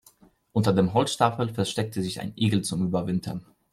Unter dem Holzstapel versteckte sich ein Igel zum Überwintern.